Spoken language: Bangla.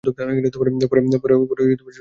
পরে যোগ দিয়েছিলেন মিনার্ভায়।